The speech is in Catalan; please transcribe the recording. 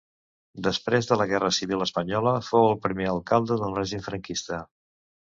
Després de la Guerra civil espanyola fou el primer alcalde del règim franquista.